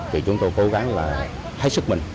thì chúng tôi cố gắng hết sức mình